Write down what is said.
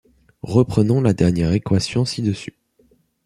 Reprenons la dernière équation ci-dessus.